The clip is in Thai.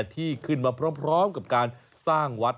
ที่ขึ้นมาพร้อมกับการสร้างวัด